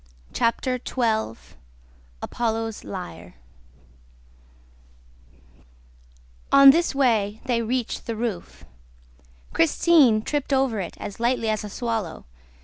Chapter XII Apollo's Lyre On this way, they reached the roof. Christine tripped over it as lightly as a swallow.